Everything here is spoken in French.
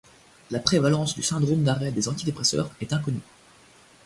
La prévalence du syndrome d'arrêt des antidépresseurs est inconnue.